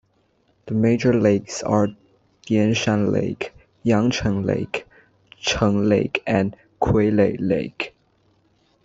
The major lakes are Dianshan Lake, Yangcheng Lake, Cheng Lake and Kuilei Lake.